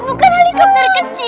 bukan helikopter kecil